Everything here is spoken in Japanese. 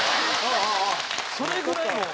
それぐらい、もう。